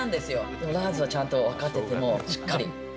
でも、ラーズはちゃんと分かってて、もうしっかり。